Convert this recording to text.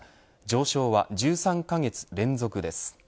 上昇は１３カ月連続です。